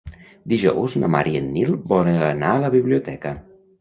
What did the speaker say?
Dijous na Mar i en Nil volen anar a la biblioteca.